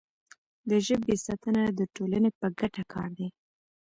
د ژبې ساتنه د ټولنې په ګټه کار دی.